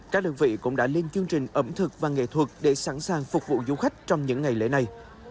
các đơn vị cũng đã lên chương trình ẩm thực và nghệ thuật để sẵn sàng phục vụ du khách trong những ngày lễ này